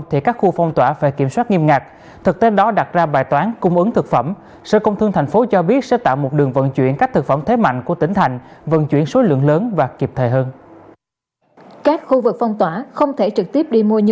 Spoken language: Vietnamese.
thì chúng tôi cũng phải có những cái rút kinh nghiệm